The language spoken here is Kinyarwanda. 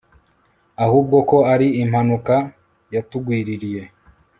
ahubwo ko ari impanuka yatugwiririye